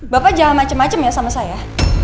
bapak jangan macem macem ya sama saya